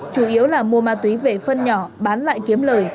chủ yếu là mua ma túy về phân nhỏ bán lại kiếm lời